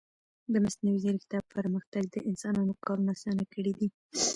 د مصنوعي ځیرکتیا پرمختګ د انسانانو کارونه آسانه کړي دي.